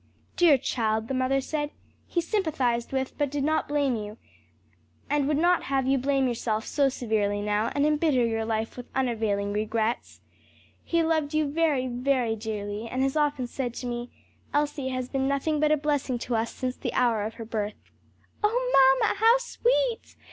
"Dear child," the mother said, "he sympathized with but did not blame you, and would not have you blame yourself so severely now and embitter your life with unavailing regrets. He loved you very, very dearly, and has often said to me, 'Elsie has been nothing but a blessing to us since the hour of her birth.'" "O mamma, how sweet!